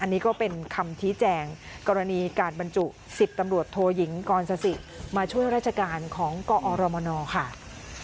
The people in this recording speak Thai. อันนี้ก็เป็นคำชี้แจงกรณีการบรรจุ๑๐ตำรวจโทยิงกรสสิมาช่วยราชการของกอรมนค่ะ